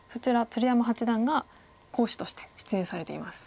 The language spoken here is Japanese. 鶴山八段が講師として出演されています。